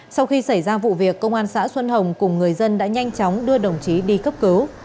sau khi xảy ra vụ việc công an xã xuân hồng cùng người dân đã nhanh chóng đưa đồng chí đi cấp cứu